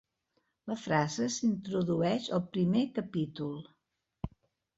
La frase s'introdueix al primer capítol.